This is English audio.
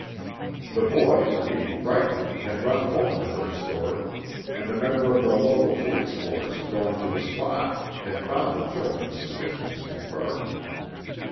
The boys, being frightened, had run home with their story, and a member of the local police force, going to the spot, had found the children's suspicions confirmed.